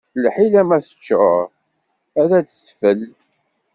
Lḥila ma teččuṛ, ad d-tfel.